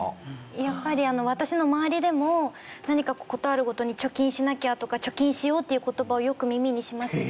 やっぱり私の周りでも何か事あるごとに「貯金しなきゃ」とか「貯金しよう」という言葉をよく耳にしますし。